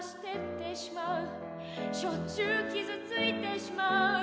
「しょっちゅう傷付いてしまう」